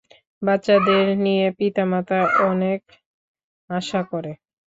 বাচ্চাদের নিয়ে পিতামাতা অনেক আশা করে।